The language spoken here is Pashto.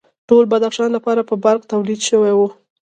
ټول بدخشان لپاره به برق تولید شوی و